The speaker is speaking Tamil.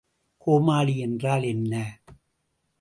கோளமானி என்றால் என்ன?